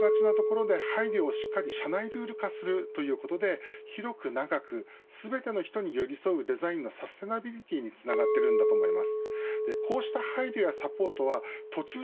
ともすると、商売優先の順位の下がりがちなところで配慮をしっかり社内ルール化するということで広く長く全ての人に寄り添うデザインがサステナビリティに繋がってるんだと思います。